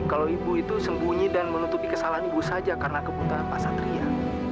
kalau ibu itu sembunyi dan menutupi kesalahan ibu saja karena keputusan pak satria